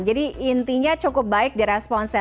intinya cukup baik di responsnya